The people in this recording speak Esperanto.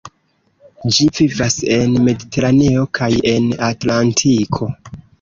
Ĝi vivas en Mediteraneo kaj en Atlantiko.